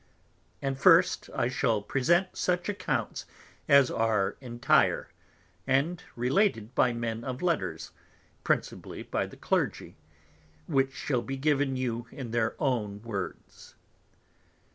And first, I shall present such Accounts as are entire, and related by Men of Letters, principally by the Clergy; which shall be given you in their own Words.